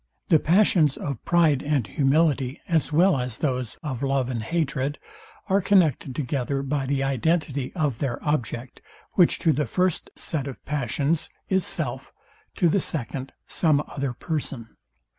The passions of pride and humility, as well as those of love and hatred, are connected together by the identity of their object, which to the first set of passions is self, to the second some other person.